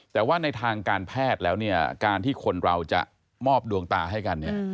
แต่ว่าในทางการแพทย์แล้วเนี่ยการที่คนเราจะมอบดวงตาให้กันเนี่ย